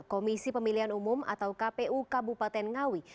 komisi pemilihan umum atau kpu kabupaten ngawi